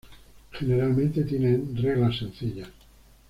Generalmente tienen reglas sencillas.